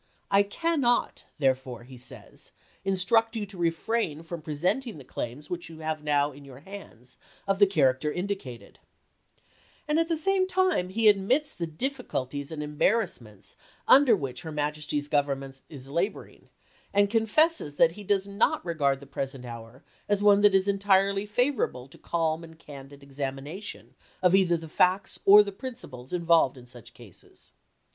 " I cannot, therefore," he says, " in struct you to refrain from presenting the claims which you have now in your hands of the character indicated"; at the same time he admits the diffi culties and embarrassments under which her Maj esty's Government are laboring, and confesses that he does not regard the present hour as one that is entirely favorable to calm and candid examination of either the facts or the principles involved in such cases.